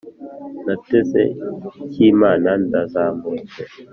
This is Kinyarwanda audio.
nateze icy'imana ndazamutse